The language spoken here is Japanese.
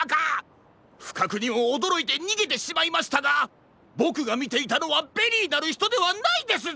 ふかくにもおどろいてにげてしまいましたがボクがみていたのはベリーなるひとではないですぞ！